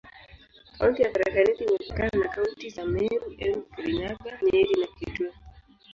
Kaunti ya Tharaka Nithi imepakana na kaunti za Meru, Embu, Kirinyaga, Nyeri na Kitui.